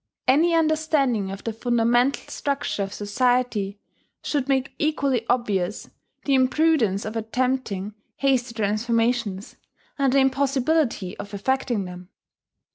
Any understanding of the fundamental structure of society should make equally obvious the imprudence of attempting hasty transformations, and the impossibility of effecting them.